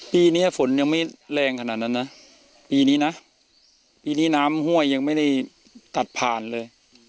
ปีนี้ฝนยังไม่แรงขนาดนั้นนะปีนี้นะปีนี้น้ำห้วยยังไม่ได้ตัดผ่านเลย